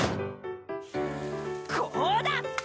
こうだ！